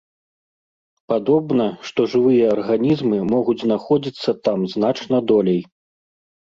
Падобна, што жывыя арганізмы могуць знаходзіцца там значна долей.